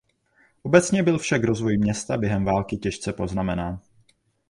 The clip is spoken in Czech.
Obecně byl však rozvoj města během války těžce poznamenán.